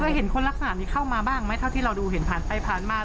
เห็นคนลักษณะนี้เข้ามาบ้างไหมเท่าที่เราดูเห็นผ่านไปผ่านมา